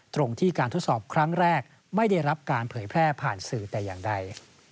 ตรงที่การทดสอบครั้งแรกไม่ได้รับการเผยแพร่ผ่านสื่อแต่อย่างใด